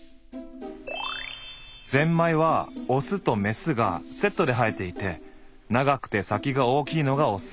ぜんまいはオスとメスがセットで生えていて長くて先が大きいのがオス。